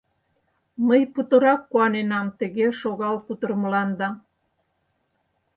Мый путырак куаненам тыге шогал кутырымыланда.